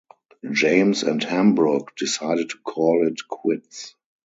James and Hembrook decided to call it quits.